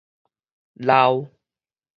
老